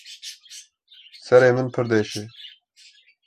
Serê min pir diêşe.